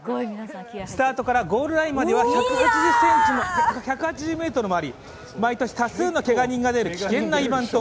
スタートからゴールラインまでは１８０ｍもあり、毎年多数のけが人が出る危険なイベント。